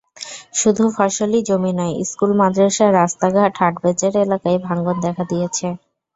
শুধু ফসলি জমি নয়, স্কুল-মাদ্রাসা, রাস্তাঘাট, হাটবাজার এলাকায় ভাঙন দেখা দিয়েছে।